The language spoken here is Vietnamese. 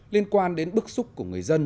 liên quan đến bức xúc của người dân